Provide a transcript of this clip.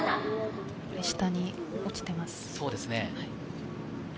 下に落ちてます。